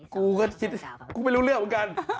กูก็คิดกูไม่รู้เรื่องเหมือนกัน